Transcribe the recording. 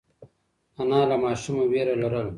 انا له ماشومه وېره لرله.